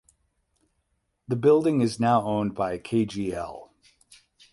The building is now owned by Kgl.